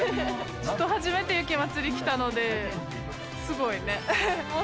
初めて雪まつり来たので、すごいね。